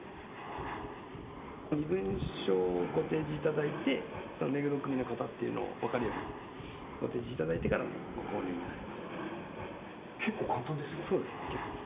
身分証をご提示いただいて目黒区民の方というのが分かるようにご提示いただいてからご購入になります。